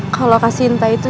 kalau kasih sienta itu